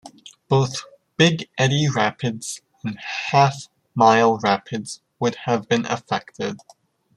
Both Big Eddy Rapids and Half Mile Rapids would have been affected.